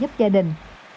giúp gia đình